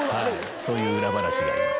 そういう裏話があります